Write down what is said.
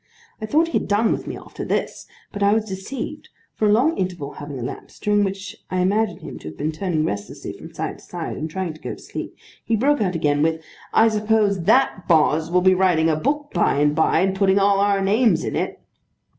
I thought he had done with me after this, but I was deceived; for a long interval having elapsed, during which I imagine him to have been turning restlessly from side to side, and trying to go to sleep; he broke out again, with 'I suppose that Boz will be writing a book by and by, and putting all our names in it!